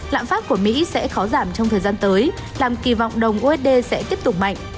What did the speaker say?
lạm phát của mỹ sẽ khó giảm trong thời gian tới làm kỳ vọng đồng usd sẽ tiếp tục mạnh